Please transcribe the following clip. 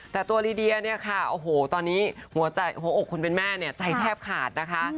แต่ตัวลีเดียเนี่ยตอนนี้หัวอกของคุณเป็นแม่ใจแทบขาดนะคะ